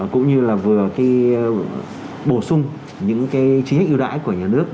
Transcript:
cũng như là vừa bổ sung những cái chính sách ưu đãi của nhà nước